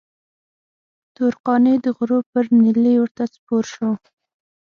تور قانع د غرور پر نيلي ورته سپور شو.